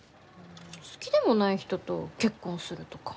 ん好きでもない人と結婚するとか。